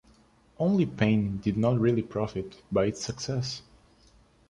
Only Payne did not really profit by its success.